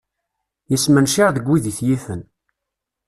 Yesmencir deg wid i t-yifen.